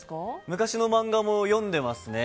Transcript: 昔の漫画も読んでますね。